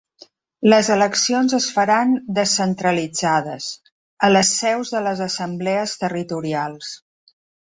Les eleccions es faran descentralitzades, a les seus de les assemblees territorials.